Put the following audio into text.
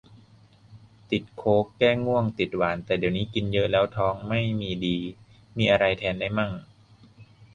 ติดโค้ก แก้ง่วง ติดหวาน แต่เดี๋ยวนี้กินเยอะแล้วท้องไม่มีดี มีอะไรแทนได้มั่ง